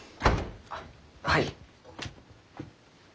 あっはい。